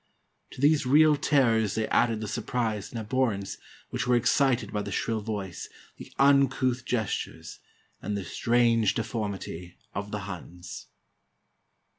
To these real terrors they added the surprise and abhorrence which were excited by the shrill voice, the uncouth gestures, and the strange de formity of the Huns."